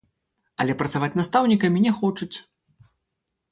Але працаваць настаўнікамі не хочуць!